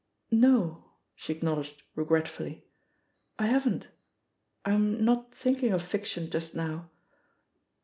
'* "No,'' she acknowledged regretfully, "I haven't — I'm not thinking of fiction just now.